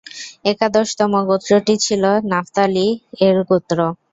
একাদশতম গোত্রটি ছিল নাফতালী-এর গোত্র।